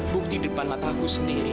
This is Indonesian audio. bukti depan mata aku sendiri